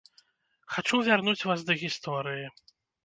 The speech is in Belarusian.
Хачу вярнуць вас да гісторыі.